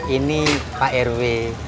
ini pak rw